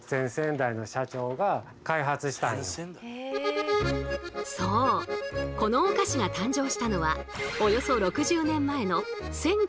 このお菓子が誕生したのはおよそ６０年前の１９６１年。